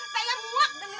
saya mau dengarnya